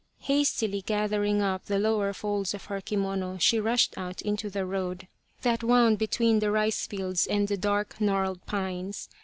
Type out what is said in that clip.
Hastily gathering up the lower folds of her kimono she rushed out into the road that wound between 28 The Quest of the Sword the rice fields and the dark gnarled pines.